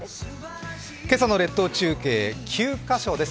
今朝の列島中継、９カ所です。